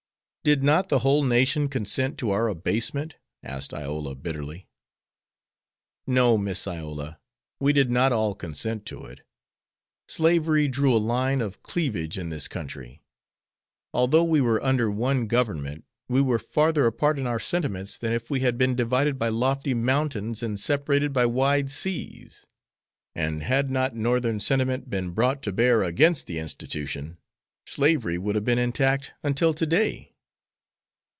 Did not the whole nation consent to our abasement?" asked Iola, bitterly. "No, Miss Iola, we did not all consent to it. Slavery drew a line of cleavage in this country. Although we were under one government we were farther apart in our sentiments than if we had been divided by lofty mountains and separated by wide seas. And had not Northern sentiment been brought to bear against the institution, slavery would have been intact until to day."